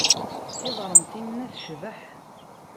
Tiɣremt-inna tecbeḥ.